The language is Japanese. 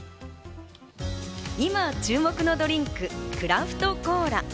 今注目のドリンク、クラフトコーラ。